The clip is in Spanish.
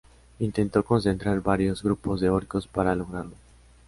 Intentó concentrar varios grupos de orcos para lograrlo.